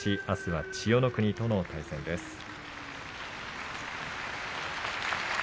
あすは千代の国との対戦です。